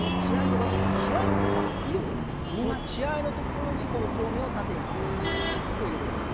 この血合いのところに包丁目を縦にスーッと入れてください。